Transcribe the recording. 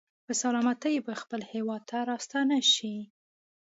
په سلامتۍ به خپل هېواد ته راستانه شي.